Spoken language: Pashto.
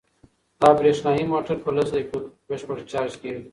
دا برېښنايي موټر په لسو دقیقو کې بشپړ چارج کیږي.